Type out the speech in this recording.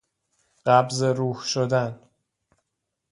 قبض روح شدن